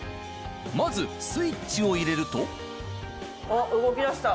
まずスイッチを入れると動きだした。